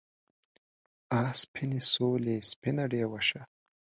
آ سپینې سولې سپینه ډیوه شه